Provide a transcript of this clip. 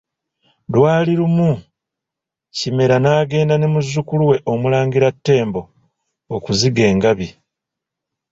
Lwali lumu, Kimera n'agenda ne muzzukulu we Omulangira Ttembo okuziga engabi.